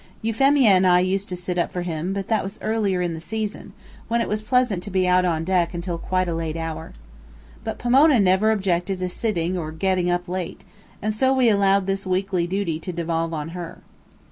Euphemia and I used to sit up for him, but that was earlier in the season, when it was pleasant to be out on deck until quite a late hour. But Pomona never objected to sitting (or getting) up late, and so we allowed this weekly duty to devolve on her.